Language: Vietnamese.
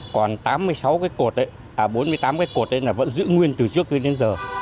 còn bốn mươi tám cái cột vẫn giữ nguyên từ trước đến giờ